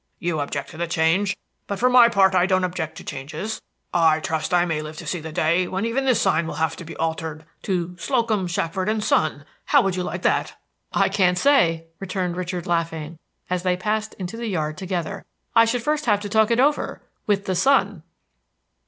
"You object to the change, but for my part I don't object to changes. I trust I may live to see the day when even this sign will have to be altered to Slocum, Shackford & Son. How would you like that?" "I can't say," returned Richard laughing, as they passed into the yard together. "I should first have to talk it over with the son!"